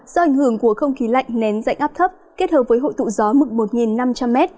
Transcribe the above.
do ảnh hưởng của không khí lạnh nén dạnh áp thấp kết hợp với hội tụ gió mực một năm trăm linh m